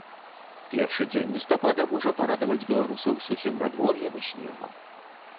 Першы дзень лістапада можа парадаваць беларусаў сухім надвор'ем і снегам.